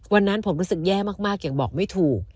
วันนั้นผมรู้สึกแย่มากยังบอกไม่ถูก